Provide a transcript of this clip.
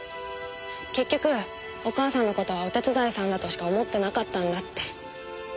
結局お母さんの事はお手伝いさんだとしか思ってなかったんだって。